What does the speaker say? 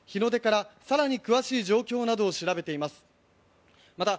日の出から更に詳しい状況などを調べています。